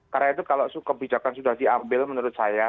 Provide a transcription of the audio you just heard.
karena itu kalau kebijakan sudah diambil menurut saya